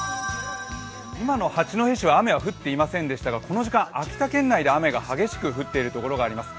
今の八戸市は雨は降っていませんでしたがこの時間、秋田県内で雨が激しく降っている所があります。